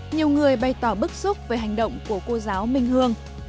nhiều người bày tỏ bức xúc về hành động của cô giáo minh hương